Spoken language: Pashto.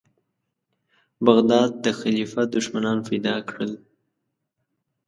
بغداد د خلیفه دښمنان پیدا کړل.